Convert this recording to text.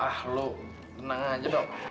ah lo tenang aja dong